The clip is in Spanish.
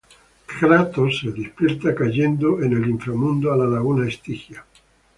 Kratos se despierta cayendo en el Inframundo, a la Laguna Estigia.